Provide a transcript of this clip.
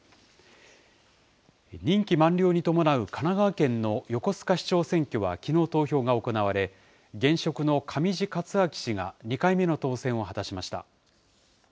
任期満了に伴う神奈川県の横須賀市長選挙はきのう投票が行われ、現職の上地克明氏が２回目の当選を果たしました。